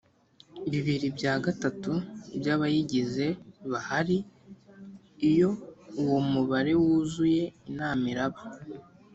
bibiri bya gatatu by’abayigize bahari iyo uwo mubare wuzuye inama iraba